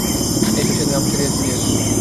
এই তো সে গ্রাম ছাড়িয়া চলিয়াছে।